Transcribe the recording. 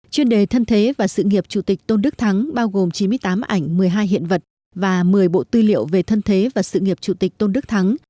chuyên đề thân thế và sự nghiệp chủ tịch tôn đức thắng bao gồm chín mươi tám ảnh một mươi hai hiện vật và một mươi bộ tư liệu về thân thế và sự nghiệp chủ tịch tôn đức thắng